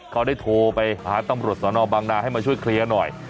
เขาได้โทรไปหาตำรวจสนบางนาให้มาช่วยเคลียร์หน่อย